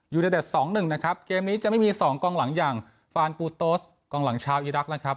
ในเด็ดสองหนึ่งนะครับเกมนี้จะไม่มี๒กองหลังอย่างฟานปูโตสกองหลังชาวอีรักษ์นะครับ